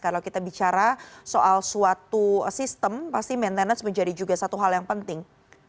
kalau kita bicara soal suatu sistem pasti maintenance menjadi juga satu hal yang penting